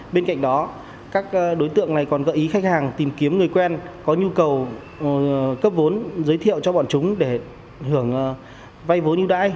bên cạnh đó các đối tượng này còn gợi ý khách hàng tìm kiếm người quen có nhu cầu cấp vốn giới thiệu cho bọn chúng để hưởng vay vốn ưu đãi